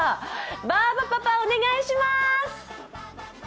バーバパパ、お願いしまーす！